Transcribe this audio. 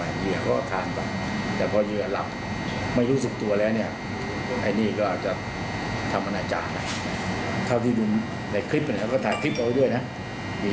มีการช่วยให้สำเร็จตรงการข่าวตัวเอง